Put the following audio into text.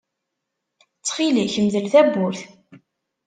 Ttxil-k, mdel tawwurt.